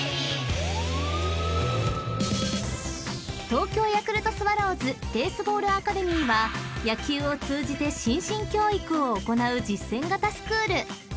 ［東京ヤクルトスワローズベースボールアカデミーは野球を通じて心身教育を行う実践型スクール］